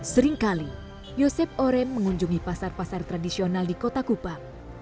seringkali yosep orem mengunjungi pasar pasar tradisional di kota kupang